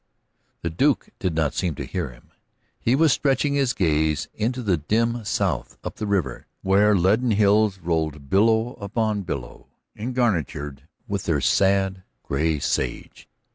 The Duke did not seem to hear him. He was stretching his gaze into the dim south up the river, where leaden hills rolled billow upon billow, engarnitured with their sad gray sage.